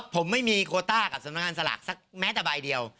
ผมไม่มีโคต้ากับสำนักงานสลากสักแม้แต่ใบเดียว